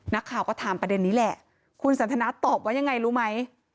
นักข่าวก็ถามประเด็นนี้แหละคุณสันทนาตอบว่ายังไงรู้ไหม